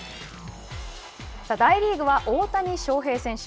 大リーグは大谷翔平選手。